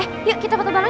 eh yuk kita foto dulu yuk